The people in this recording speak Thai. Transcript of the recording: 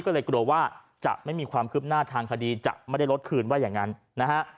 ก็เลยกลัวว่าจะไม่มีความคืบหน้าทางคดีจะไม่ได้ลดคืนว่าอย่างนั้นนะฮะ